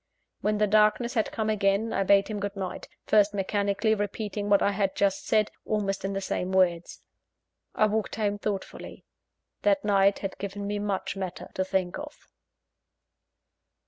When the darkness had come again, I bade him good night first mechanically repeating what I had just said, almost in the same words. I walked home thoughtful. That night had given me much matter to think of.